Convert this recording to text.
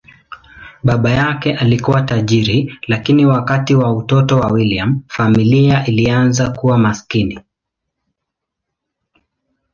Baba yake alikuwa tajiri, lakini wakati wa utoto wa William, familia ilianza kuwa maskini.